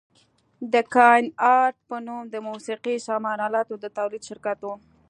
د کاین ارټ په نوم د موسقي سامان الاتو د تولید شرکت و.